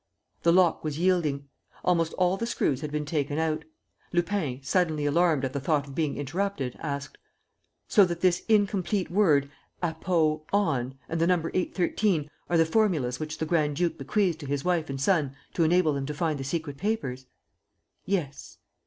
..." The lock was yielding; almost all the screws had been taken out. Lupin, suddenly alarmed at the thought of being interrupted, asked: "So that this incomplete word 'APO ON' and the number 813 are the formulas which the grand duke bequeathed to his wife and son to enable them to find the secret papers?" "Yes."